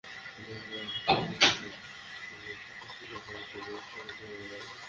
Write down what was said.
তাদের কার্যক্রমের স্বচ্ছতা তুলে ধরতেই হতাহত ব্যক্তিদের সংখ্যা প্রকাশ করেছে ওবামা প্রশাসন।